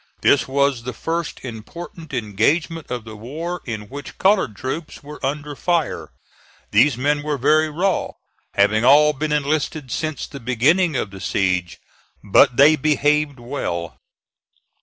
This was the first important engagement of the war in which colored troops were under fire. These men were very raw, having all been enlisted since the beginning of the siege, but they behaved well.